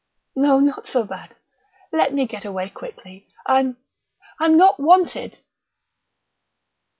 "No not so bad let me get away quickly I'm I'm not wanted."